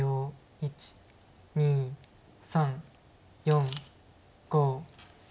１２３４５。